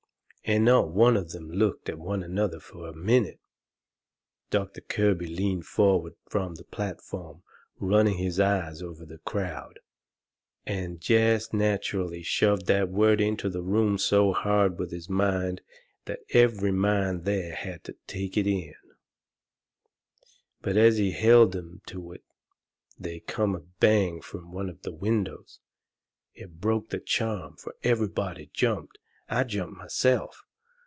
And not one of 'em looked at another one fur a minute. Doctor Kirby leaned forward from the platform, running his eyes over the crowd, and jest natcherally shoved that word into the room so hard with his mind that every mind there had to take it in. But as he held 'em to it they come a bang from one of the windows. It broke the charm. Fur everybody jumped. I jumped myself.